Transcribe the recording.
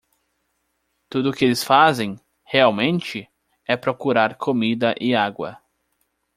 Tudo o que eles fazem? realmente? é procurar comida e água.